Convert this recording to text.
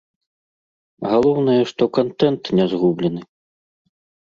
Галоўнае, што кантэнт не згублены.